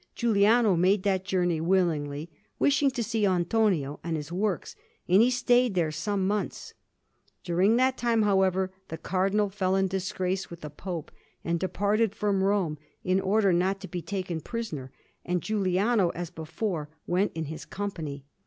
Giuliano made that journey willingly, wishing to see Antonio and his works; and he stayed there some months. During that time, however, the Cardinal fell into disgrace with the Pope, and departed from Rome, in order not to be taken prisoner, and Giuliano, as before, went in his company.